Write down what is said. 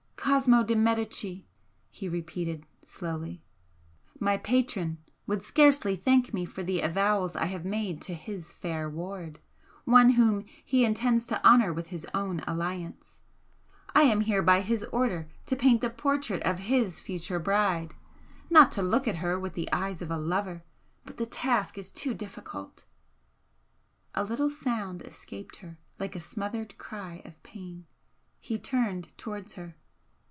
"Cosmo de Medicis" he repeated, slowly "my patron, would scarcely thank me for the avowals I have made to his fair ward! one whom he intends to honour with his own alliance. I am here by his order to paint the portrait of his future bride! not to look at her with the eyes of a lover. But the task is too difficult " A little sound escaped her, like a smothered cry of pain. He turned towards her.